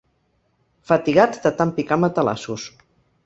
Fatigats de tant picar matalassos.